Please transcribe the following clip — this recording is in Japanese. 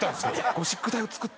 ゴシック体を作った。